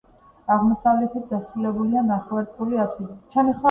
აღმოსავლეთით დასრულებულია ნახევარწრიული აბსიდით.